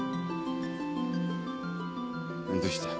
どうした？